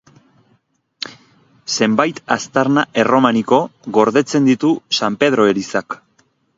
Zenbait aztarna erromaniko gordetzen ditu San Pedro elizak.